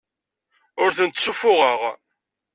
Ur tent-ssuffuɣeɣ.